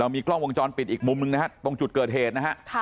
มีกล้องวงจรปิดอีกมุมหนึ่งนะฮะตรงจุดเกิดเหตุนะฮะ